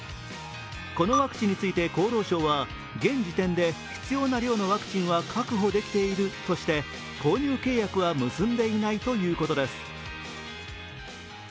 このワクチンについて厚労省は、現時点で必要な量のワクチンは確保できているとして購入契約は結んでいないということです。